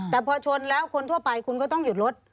แต่พอชนแล้วคนทั่วไปคุณก็ต้องหยุดรถ